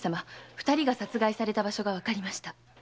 二人が殺害された場所がわかりました。